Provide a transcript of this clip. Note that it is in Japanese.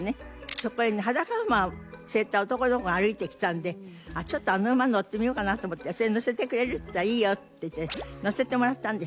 そこへ裸馬を連れた男の子が歩いてきたんでちょっとあの馬乗ってみようかなと思って「それ乗せてくれる？」って言ったら「いいよ」って言って乗せてもらったんですよ。